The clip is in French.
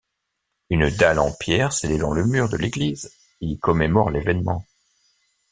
Une dalle en pierre scellée dans le mur de l'église y commémore l'événement.